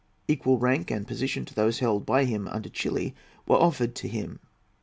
Equal rank and position to those held by him under Chili were offered to him.